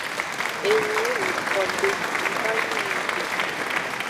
Enyi yi nuko be nda nu nyode o.